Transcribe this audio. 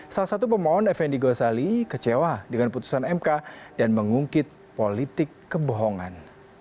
salah satu pemohon effendi gosali kecewa dengan putusan mk dan mengungkit politik kebohongan